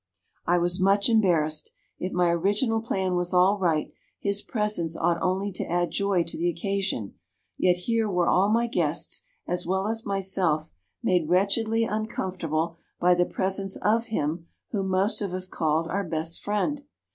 "I was much embarrassed. If my original plan was all right, his presence ought only to add joy to the occasion; yet here were all my guests, as well as myself, made wretchedly uncomfortable by the presence of him whom most of us called our best Friend.